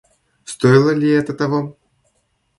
Стоило ли это того?